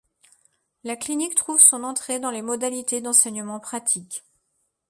La clinique trouve son entrée dans les modalités d'enseignement pratique.